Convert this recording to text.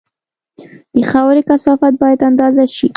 د خاورې کثافت باید اندازه شي